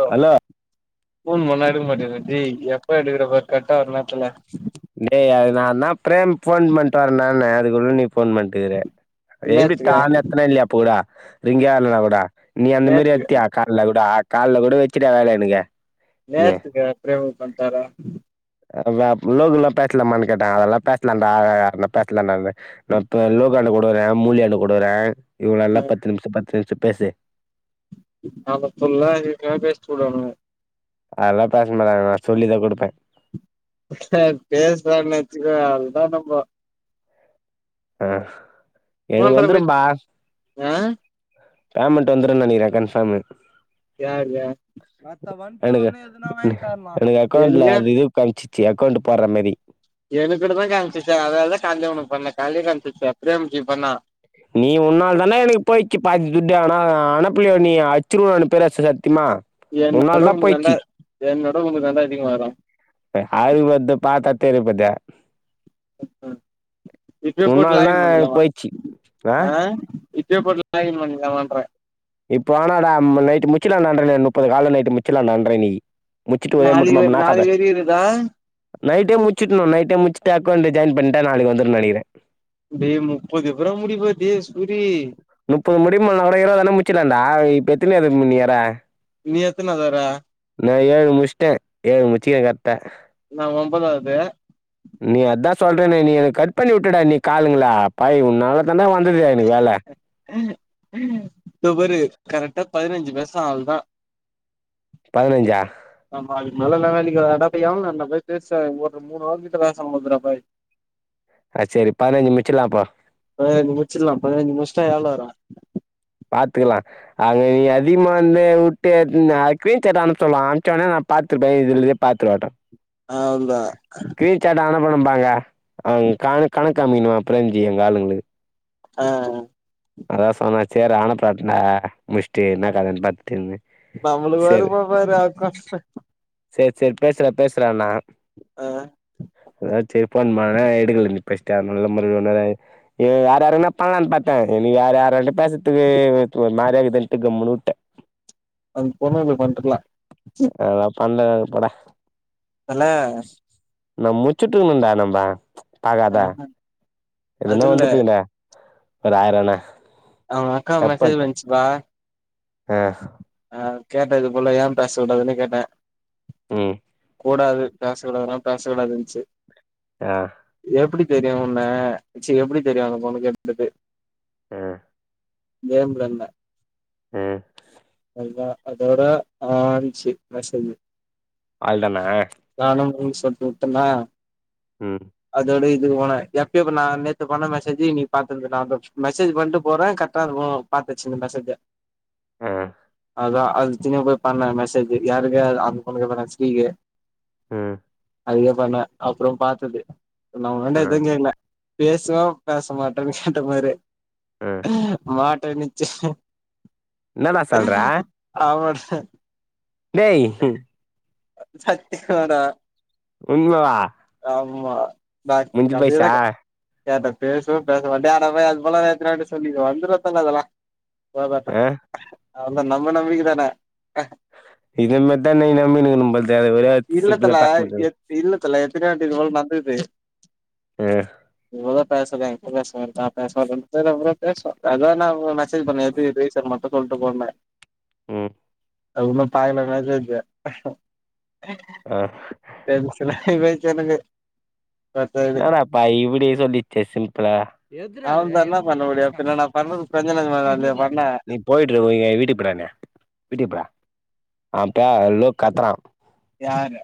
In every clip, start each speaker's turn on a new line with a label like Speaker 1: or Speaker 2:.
Speaker 1: ஓ
Speaker 2: hello
Speaker 1: phone பண்ணா எடுக்க மாட்டியா ஜி எப்ப எடுக்கறப்ப கட்டாற நேரத்துல
Speaker 2: டேய் நா தான் பிரேம் போன் பண்ட்டுவரேன் நானு அதுக்குள்ள நீ போன் பண் டுக்குற எப்டி
Speaker 1: நேத்துக்கா
Speaker 2: தான எத்தனா இல்லையாப்ப பூறா ரிங்கா இல்லனா கூட நீ அந்த மாரி
Speaker 1: நேத்து
Speaker 2: எத்தியா கால்ல கூட கால்ல கூட வச்சுட்டேன் வேலை எனுக்கு
Speaker 1: நேரத்துக்க பிரேம பண்டார
Speaker 2: ஆ வே உள்ளதுல்லாம் பேசலாமானு கேட்டாங்க அதெல்லாம் பேசலாம்ட பேசலாம்டின்னு நான் இப்ப லோகாண்ட கொடுகறேன் முரலியாண்ட கொடுறேன் இவள எல்லாம்
Speaker 1: ம்
Speaker 2: பத்து நிமிஷம் பத்து நிமிஷம் பேசு
Speaker 1: நாம்ம சொன்னா இருக்கு பேசிட்டு பேய்டுவானுங்க
Speaker 2: அதெல்லாம் பேச மாட்டாங்க நான் சொல்லிதான் குடுப்ப
Speaker 1: சேர் பேசலா நெனச்சுகோ அவ்ள்தா நம்ப
Speaker 2: ஆ எனுக்கு
Speaker 1: ஃபோன்ற
Speaker 2: வந்து
Speaker 1: போய்
Speaker 2: ரொம்ப ஆ
Speaker 1: ஆ
Speaker 2: பேமெண்ட் வந்துருன்னு நெனக்கிறேன் கன்ஃபாமு
Speaker 1: யார் யார்
Speaker 2: என என் அக்கௌண்ட்ல
Speaker 1: எனக்கா
Speaker 2: அதிகம் காம்சிச்சு அக்கௌண்ட் போட்ற மாரி
Speaker 1: எனக்கூட தான் காம்ச்சிசு அதனால தான் காலிலே ஒனக்கு பண்ணே காலில காம்சிச்சு பிரேம்ஜி பண்ணா
Speaker 2: நீ உன்னாள் தானே எனக்கு போயிச்சு பாதி துட்டு ஆனா அனப்பளை நீ அச்சிருவம்னு பேரரசு சத்தியமா
Speaker 1: என்னோட
Speaker 2: உன்னால் தான்
Speaker 1: உங்கள்க்கு தாண்டா
Speaker 2: போயிடுச்சு
Speaker 1: என்னோட உங்கள்க்கு தாண்டா அதிகமா வரும்
Speaker 2: அதுவந்து பார்த்தா தெரியப்போது
Speaker 1: ம் இப்பயே போட்டு லாகின்
Speaker 2: உன்னால்தான்
Speaker 1: பண்ணிக்கலாமா
Speaker 2: போய்ச்சு ஆ
Speaker 1: இப்பயே போட்டு லாகிங் பண்ணிலாமாங்கற
Speaker 2: இப்ப வானான்டா நைட் முச்சிலாம் நன்றறேன் முப்பது கால நைட் முச்சலாம் நான்றேன் இன்னிக்கி முச்சிட்டு ஒரே மூட்டமா
Speaker 1: நாளைக்கு
Speaker 2: [unintelligible]
Speaker 1: நாளைக்கு வரையு இருக்குதா
Speaker 2: நைட்டே முச்சட்ணு நைட்டே முச்சுட்டு அக்கௌன்ட் ஜாய்ன் பண்ட்டா நாளைக்கு வந்துடு நெனக்கிறே
Speaker 1: டேய் முப்பது எப்புரா முடிப டே சூரி
Speaker 2: முப்பது முடியு கூட இருபதுனா முச்சிடலண்டா இப்போ எத்தனாவது நீ வர
Speaker 1: நீ எத்தனாது வர
Speaker 2: நா ஏழு முஷ்ட்டே ஏழு முச்சிக்கிறே கரக்ட்டா
Speaker 1: நா ஒம்பதாவது
Speaker 2: நீ அதா சொல்றேண்ணே நீ எனக் கட் பண்ணி விட்டுட நீ காளுங்களா பாவி உன்னால தான்டா வந்தது எனக்கு வேலை
Speaker 1: தோ பாரு கரக்டா பதினஞ்சு பேசா ஆள் தா
Speaker 2: பதினஞ்சா
Speaker 1: ஆமா அதுக்கு மேல [inaudible]
Speaker 2: ஆ சேரி பதினஞ்சுமுச்சிலா அப்ப
Speaker 1: பதினஞ்சு முச்சிலா பதினஞ்சு முஷ்டா எவ்ள வரு
Speaker 2: பாத்துக்கலா அங்க நீ அதிகமா வந்து விட்டு க்ரீன்சாட் அனுப் சொல்லே அம்சனா நா [inaudible]
Speaker 1: ஆவ்ள்தா
Speaker 2: கேட்டா அவன பன்னுபாங்க கணக் கணக்காம்மிக்கனு எனக்கு தெரிஞ்சு எங்க ஆளுங்களுக்கு
Speaker 1: ஆ
Speaker 2: அதா சொன்னா சேர் ஆனப்பட்னா ஆ முஷ்டு என்னக்கதன்னு பாத்துட்டு இருந்தே
Speaker 1: நம்ளுக்கு வருதுப்பா [inaudible]
Speaker 2: சேரி சேரி பேசுறே பேசுறேண்ணா
Speaker 1: ஆ
Speaker 2: அதா சேரிப்போன் பன்னா எடுக்கல நீ ஃபஸ்ட் நல்ல முற [inaudible] ஏன்யார் யாருன்னு பன்ளானு பாத்தே என யார் யாரன்ட பேசதுக்கு ஒரு மாரியாக்குதுன்ட்டு கம்முன்னு விட்டே
Speaker 1: அந் பொண்ணு வந்து பண்டல
Speaker 2: அ நா பண்ணே போடா
Speaker 1: தல
Speaker 2: நம்ம முச்சுட்டுக்கணும்டா நம்ம
Speaker 1: ஆ
Speaker 2: பாகாதே
Speaker 1: அது
Speaker 2: அதுன்னா
Speaker 1: இல்ல
Speaker 2: வந்துட்டீங்க ஒரு ஆயிரம்ண்ணா
Speaker 1: அவன் அக்கா மெசேஜ் பன்னுச்சுப்பா
Speaker 2: ஆ
Speaker 1: ஆ கேட்டே இது போல ஏ பேச கூடாதுன்னு கேட்டே
Speaker 2: ம்
Speaker 1: கூடாது பேசக்கூடாதுனா பேசக்கூடாதுன்ச்சு
Speaker 2: ஆ
Speaker 1: எப்டி தெரியு உன்னச் சேரி எப்படி தெரியு அந்த பொண்ணுக்கு எப்டி தெரியு
Speaker 2: ம்
Speaker 1: மேம் ரெம்ப
Speaker 2: ம்
Speaker 1: அத அதோட ஆஞ்சு மேசேஜ்
Speaker 2: ஆள்தானே
Speaker 1: நானு மூணு சொட்டு விட்டன
Speaker 2: ம்
Speaker 1: அதோட இது போண எப்பயோ நா நேத்த பண்ண மெசேஜ் இன்னைக்கி பா்த்திருந்த நா மெசேஜ் பண்ணிட்டு போறே கரெக்டா இருக்கனும் பார்த்து வச்சிக்கோ இந்த மெசேஜ
Speaker 2: ஆ
Speaker 1: அதான் அது திங்கள்கிழபோய் பண்ணா மெசேஜ் யாருனே அந்த பொண்ணுக்கன் ஸ்ரீஏ
Speaker 2: ம்
Speaker 1: அதிகே பண்ணேன் அப்புறம் பார்த்தது
Speaker 2: ஆ
Speaker 1: நான்ண்டா எதுங் கேக்ல பேசுவான் பேச மாட்டேன்னு கேட்ட மாரி
Speaker 2: ஆ
Speaker 1: மாட்டிச்சு
Speaker 2: என்னடா சொல்ற
Speaker 1: அவன
Speaker 2: டேய்
Speaker 1: சத்தியமாடா
Speaker 2: உண்மயாவா
Speaker 1: ஆமா பாய் கதுரக்க ஏட்ட பேசும் பேச வேண்டிய அட அது போலாம் ஏ சொல்லிது வந்துருத அதெல்லாம் பா பாட்டா
Speaker 2: ஆ
Speaker 1: அவந்த நம்ப நம்பிக்க தானே
Speaker 2: இத மேர் தான் நீ நம்பினு இருக்கனும்போல்தே அதுக்கு ஒரேதா
Speaker 1: இல்ல தல
Speaker 2: சிம்பிளா பேசமாட்டது அது
Speaker 1: எத் இல்ல தல எத்தனையோவாட்டி இத மாரி நடந்துருக்கு
Speaker 2: எ
Speaker 1: இவளோதான் பேசற எங்க பேச வேண்டிதா பேச பேசாத அப்றம் பேசுற அதான் நா மசேஜ் பண்ணன் த்ரீ பீஸ் சார் மட்டும் சொல்ட்டு போனேன்
Speaker 2: ம்
Speaker 1: அது ஒன்னும் பாக்கல மெசேஜ்ஜ
Speaker 2: ஆ
Speaker 1: டென்சன் ஆகி ஏன்ச்சி வந்தனே
Speaker 2: என்னாடப்பா இப்டி சொல்லிச்சி சிம்பிளா
Speaker 1: அவன்தா என்ன பண்ண முடியு பின்ன நான் பண்ணது கொஞ்ச நெஞ்சமாவாடா நா பண்ணேன்
Speaker 2: போய்ட்டுருக்கோ ஏ வீட்டுக்கு போரா என்ன நீ வீட்டுப்புரா அப்ப லோக் கத்துறான்
Speaker 1: யாரு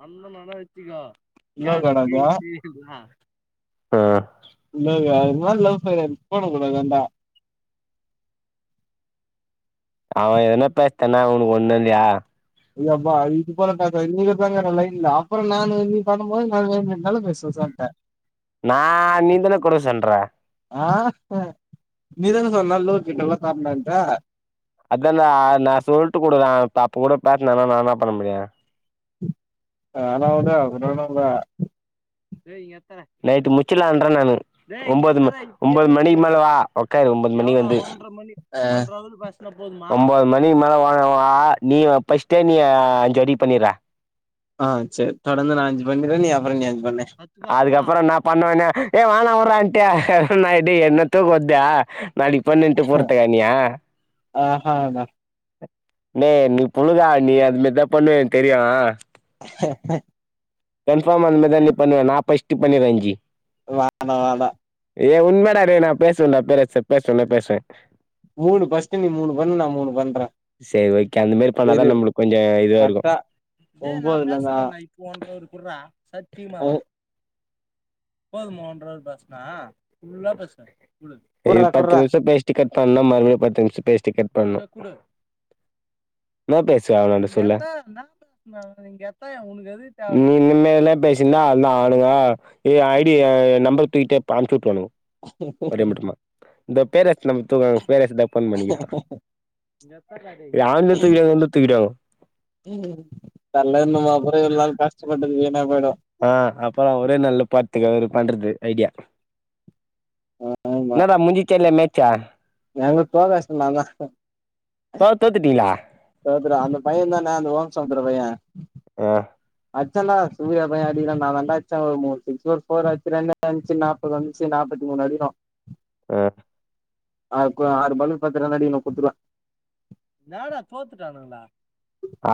Speaker 2: வந்தனாதா வச்சிக்கோ
Speaker 1: லோகோ
Speaker 2: காக் கே கே சொல்றா ஆ
Speaker 1: என்னதே இந்த மாரி லவ் ஃபெய்லியர்டா ஃபோன குட்றா அதாண்ட
Speaker 2: அவன் ஏதனா பேச்தோனா உனக்கு ஒண்ணு இல்லையா
Speaker 1: யப்பா இது போலா பேசாதங்கற இன்னிக்கி போடுறன்டா லைன்ல அப்புறம் நான் நீ பண்ணும் போது நான் என்னாவேன்னாலும் பேசுவ சொல்ட்டேன்
Speaker 2: நான் நீ தானே கொறசொல்ற
Speaker 1: ஆ நீதான சொன்ன லோக் கிட்டலா சாப்டன்ட்டு
Speaker 2: அதான்டா நான் நான் சொல்ட்டு கூடுறன் அப்ப கூட பேசலனா நான் என்ன பண்ண முடியும்
Speaker 1: வேனா உடு அப்பறம் என்ன பண்ணுவ
Speaker 2: நைட்டு முச்சலாம்ன்ரேன் நானு ஒன்பது ஒன்பது மணிக்கு மேலவா உக்காரு ஒன்பது மணி வந்து ஒன்பது மணிக்கு மேல வாங்க வா நீ பஸ்ட்டே நீ அஞ்சி ரெடி பண்ணிற
Speaker 1: ஆ சேர் தொடர்ந்து நான் அஞ்சு பண்றேன் நீ அப்பறம் நீ அஞ்சு பண்ணு
Speaker 2: அதுக்கப்புறம் நான் பண்ணுவேனே ஏ வேனா வுட்றான்ட்டு நடி என்னத்த கொத்த நாளைக்கு பன்னெட்டு பொறுத்துக்கானியா
Speaker 1: ஆஹா
Speaker 2: ஏ நீ புழுகா நீ அதுமாரிதான் பண்ணுவ எனக்கு தெரியு
Speaker 1: [unintelligible]
Speaker 2: கன்ஃபார்ம் அந்மாரி தான் நீ பண்ணுவ நான் ஃபஸ்ட் பண்ணிற இன்னிக்கி
Speaker 1: வானா வான்டா
Speaker 2: ஏய் உண்மேடா டேய் நான் பேசுவண்டா பேசுவண்டா பேசுவேன்
Speaker 1: மூனு பஸ்ட்டு நீ மூனு பண்னு நான் மூணு பன்றேன்
Speaker 2: சேரி ஓகே அந்த மாரி பண்ணாதா நம்மளுக்கு கொஞ்சோ இதுவா இருக்கு
Speaker 1: கரெக்டா
Speaker 2: டேய் நா
Speaker 1: ஒன்பதுல நான்
Speaker 2: பேசுறேன்டா இப்போ ஒன்னே ஒன்னு குர்றா சத்தியமாவா போதுமா ஒன்ற அவர் பேசுனா ஃபுல்லா பேசுவ இது
Speaker 1: குடுறா
Speaker 2: பத்து
Speaker 1: குடுறா
Speaker 2: நிமிஷ பேஸ்டி கட் பண்ணுனா மறுபடியு பத்து நிமிஷ பேசிட்டு கட் பண்னணு என்னா பேசுவ அவளன்ட செல்லே நீ இனிமேல்லே பேசியிந்தா அல்லா ஆவனுங்க ஏ ஐ டி நம்பர் தூக்கிட்டே அனுபுச்சுவுட்டுருவானுக ஒரே முட்டமா இந்த பேர வச்சுந்த முத்துத பேர ஃபோன் பண்ணிக்கிறா ஏன்னே தெரியாது வந்து தூக்கிடுவாங்கோ
Speaker 1: ம் தள்ளணும்மா அப்பர எல்லா கஷ்டப்பட்டது வீணா போயிடு
Speaker 2: ஆ அப்பறோ ஒரே நாள்ல பாத்துக அவர் பண்றது ஐடியா
Speaker 1: ஆமா
Speaker 2: என்னடா மூஞ்சிச்சா இல்ல மேச்சா
Speaker 1: எங்க தோக வெச்சிடீங்களாந்தா
Speaker 2: பாத் தோத்து டிங்கலா
Speaker 1: தோத்துட்டோ அந்த பையதான்டா அந்த ஓப்சாப்த்தர பைய
Speaker 2: ஆ
Speaker 1: அச்சன்னா சூர்யா பையே அடிக்கிறான்டா அவன்தா அச்சா ஒரு மூனு சிக்ஸ் ஒரு ஃபோர் அடிச்சுருவான்தா அஞ்ச்சு நாப்பது வந்ச்சி நாப்பத்தி மூணு அடிகறோ
Speaker 2: ஆ
Speaker 1: அ கு ஆறு பாலுக்கு பத்து ரன் அடிக்கனு குத்துருவா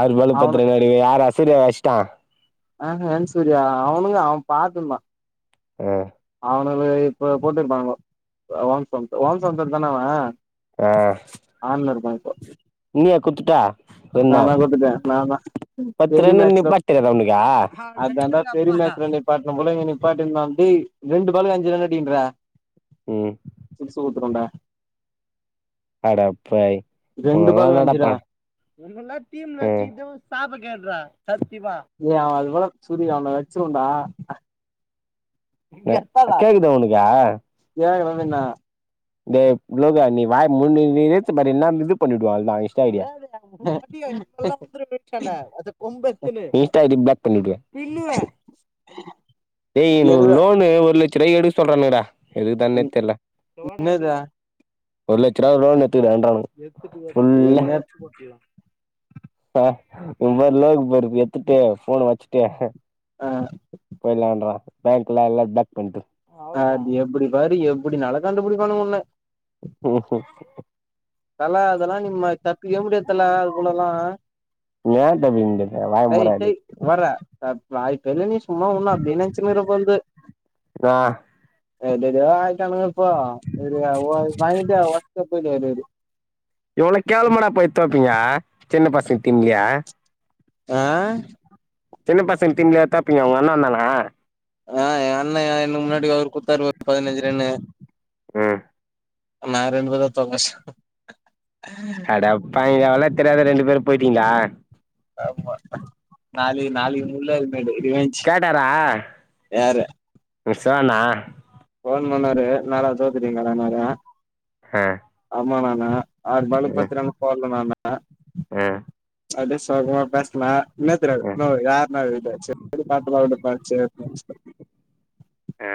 Speaker 2: ஆறு பாலு
Speaker 1: அவனு
Speaker 2: பத்துரனு அடிக்க யாரு அஸ்ரியாவ அஷ்ட்டா
Speaker 1: ஆஹ ஹன் சூர்யா அவனுங்க அவ பாத்துப்பா
Speaker 2: அ
Speaker 1: அவனுகள இப்ப போட்டுருப்பாங்கோ ஓம்சம்ஸ் ஓம்சம்சர் தானே அவே
Speaker 2: ஆ நீயே குத்துட்டே என்ன
Speaker 1: நா தா குடுத்துட்டே நா தா பெரிய
Speaker 2: பத்துரன்னு
Speaker 1: மேட்ச்ல
Speaker 2: நிப்பாட் தெரியாதா உனக்கே
Speaker 1: வழ்க்கம்போல இங்க நிப்பாட்டி இருந்தாண்டி ரெண்டு பாலுக்கு அஞ்சு ரன்னு அடின்ரா
Speaker 2: ம்
Speaker 1: சிக்ஸ் குடுத்துருவேண்டா
Speaker 2: அடபாவி உன்னலா
Speaker 1: பாலுக்கு அஞ்சுடா
Speaker 2: என்னடாப்பன் உங்கள எல்லா டீம்ல வெச்சிகறதே ஒரு சாப கேட்றா சத்தியமா
Speaker 1: ஏய் அவஇவள சூரி அவனை வச்சிருவண்டா
Speaker 2: கேக்குதா உனக்கு
Speaker 1: ஏ எனக்கென்ன
Speaker 2: டேய் ஃப்லேகா நீ வாயமூடிட்டு நீ இழுத்து பாரு நா இது பண்னிடுவே நாஇஸ்ட் ஐடியா ஓஹோ அப்டியாய் இன்ஸ்டா ஐ டி பிளாக் பண்ணிடுவே டேய் எனக்கு ஒரு லோனு ஒரு லட்ச ரூபாய் எடுக்க சொல்றானுங்கடா எதுக்குதானே தெரியல
Speaker 1: என்னது
Speaker 2: ஒரு லட்ச ரூபா லோன் எடுத்துகின்றானு ஃபுல்லா
Speaker 1: என்ன
Speaker 2: ப இவ வேற லோகு போடறத எடுத்துட்டு போன்ன வச்சிட்டு
Speaker 1: ஆ
Speaker 2: போய்லான்றா பேங்கெல்லா எல்லா அடப்பிண்ட்டு
Speaker 1: அது எப்படி பாறு எப்டி நால கண்டுபிடிப்பானு உன்ன
Speaker 2: ம்ஹூம்
Speaker 1: தல அதெல்லா நீ ம சத் செய்ய முடியாது தல அதுக்குல்லலா
Speaker 2: ஏன் தம்பி இந்த
Speaker 1: டேய்
Speaker 2: வாய்மூடாடி
Speaker 1: டேய் வர்ர நா இப்ப என்ன ண்ணே சும்மா ஒண்ணும் அப்பெஞ்சுமேல உக்காந்து
Speaker 2: ஆ
Speaker 1: எதேதோ ஆயிட்டாணுங்க இப்போ அவரு வாங்கிட்டு வாட்ஸ் அப்ல வராரு
Speaker 2: இவ்ளோ கேவளமாடா போயி தோப்பீங்க சின்ன பசங்க டீம்லயே
Speaker 1: ஆ
Speaker 2: சின்ன பசங்க டீம் லயா தோப்பீங்க உங்கண்ண வந்தானா
Speaker 1: ஆ எங் அண்ணகார எனக்கு முன்னாடி ஓவர் குடுத்தாரு ஒரு பதினஞ்சு ரன்னு
Speaker 2: ம்
Speaker 1: நாங்க ரெண்டு பேர்தா தோக்கடிச்சோ
Speaker 2: அடப்பாவிங்களா விளாட தெரியாத ரெண்டு பேர் போயிட்டீங்களா
Speaker 1: ஆமா நாலு நாலு முள்ளது மேடு ரிவஞ்ச் யார
Speaker 2: விஷ்வாண்ணா
Speaker 1: ஃபோன் பண்ணாரு என்னாடா தோத்துடீங்களாடான்னாரு
Speaker 2: அ
Speaker 1: ஆமா ண்ணான்னே ஆறு பாலுக்கு பத்து ரன் போட்ல ண்ணான்னே
Speaker 2: அ
Speaker 1: அப்டியே சோகமா பேஸ்ன என்னாத்துக்குடா
Speaker 2: ம்
Speaker 1: ண்ணோ யார் ணா இது அடிச்ச உடு பாத்துக்கலா [unintelligible]
Speaker 2: அ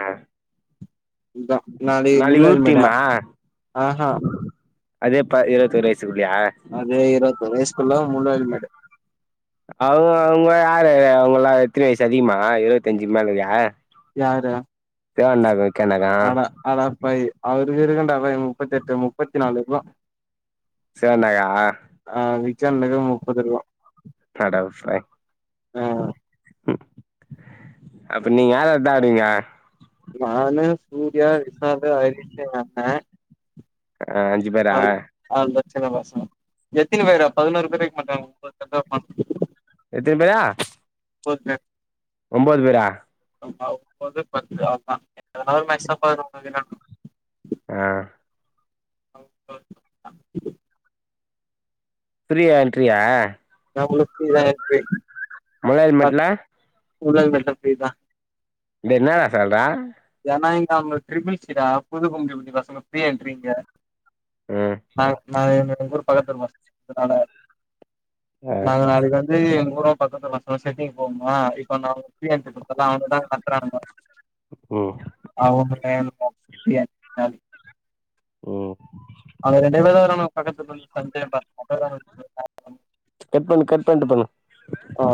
Speaker 1: இத்தா உன்னாலயே
Speaker 2: நாளைக்கு
Speaker 1: முடியாது
Speaker 2: ஊர்
Speaker 1: மேட
Speaker 2: டீமா
Speaker 1: அ ஆ
Speaker 2: அதே ப்பா இருவத்தி ஓர் வயசுக்குள்ளயா
Speaker 1: அ அதே இருவத்தொரு வயசுக்குள்ள மூலாவது மேடு
Speaker 2: அவ அவங்கல்லா யாரு அவங்கல்லா எத்தினி வயசு அதிகமா இரவத்தி அஞ்சு மேலயா
Speaker 1: யார
Speaker 2: தேவா அண்ணாக்கு
Speaker 1: அட அடப்பாவி அவரு இருக்கும்டா பாவி முப்பத்தி எட்டு முப்பத்தி நாலு இக்கும்
Speaker 2: சேனாயா
Speaker 1: அ விக்ரம் அண்ணனுக்கு முப்பது இருக்கும்
Speaker 2: அடப்பாவி
Speaker 1: அ
Speaker 2: ம் அப்ப நீ யார் யார்தா ஆடுவீங்க
Speaker 1: நானு சூர்யா விசாலு ஹரிஸ்சு எங் அண்ணே
Speaker 2: க அஞ்சு பேரா
Speaker 1: ஆங் அவங்கெல்லா சின்ன பசங்க எத்தனி பேரா பதினோரு பேரு இருக்க மாட்டாங்க ஒம்போது பேர் தா இருப்பாங்க
Speaker 2: எத்தினி பேரு
Speaker 1: ஒம்போது பேர்
Speaker 2: ஒம்போது பேரா
Speaker 1: சும்மா ஒம்போது பத்து அவ்ளோ தா ரெண்டாவது மேட்சுன்னா பதினொரு பேர் இருக்கறாங்க
Speaker 2: அ ஃப்ரீயா என்றியா
Speaker 1: [unintelligible]
Speaker 2: மூணாவது மேட்ல
Speaker 1: மூணாவது மேட்ல ஃப்ரீதா
Speaker 2: என்னாடா சொல்ர
Speaker 1: ஏன்னா இங்க அவங்க ட்ரிபில்ஸ்டா புது கும்டிபுடி பசங்க ஃப்ரீ என்றிங்க
Speaker 2: ம்
Speaker 1: நா நா எங்க ஊர் பக்கத்து [unintelligible] பசங்கனால
Speaker 2: ஆ
Speaker 1: நாங்க நாளைக்கி வந்து எங்க ஊரம் பக்கத்துல பசங்க செட்டிக்கு போமா இப்ப அவங்க ஃப்ரீ என்ட்றி குடுத்தல்ல அவனுங்கதா கட்றானுங்க
Speaker 2: ம்
Speaker 1: அவங்க என்னமோ [unintelligible] காலி
Speaker 2: ஓ
Speaker 1: அவனுங்க ரெண்டே பேரு தா வராங்க பக்கத்து பக்கத்து சந்து [unintelligible]
Speaker 2: கட் பண்ணு கட் பண்ணிட்டு பண்ணு
Speaker 1: அ